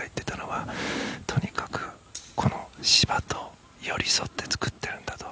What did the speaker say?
とにかくこの芝と寄り添って作ってるんだと。